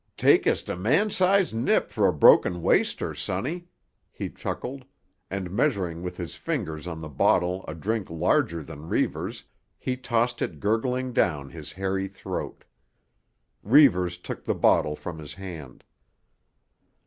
"Takest a man sized nip for a broken waster, sonny," he chuckled, and measuring with his fingers on the bottle a drink larger than Reivers' he tossed it gurgling down his hairy throat. Reivers took the bottle from his hand.